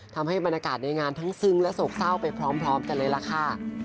ทำให้บรรยากาศในงานทั้งซึ้งและโศกเศร้าไปพร้อมกันเลยล่ะค่ะ